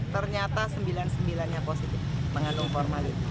ternyata sembilan puluh sembilan nya positif mengandung formalin